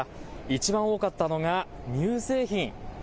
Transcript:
いちばん多かったのが乳製品。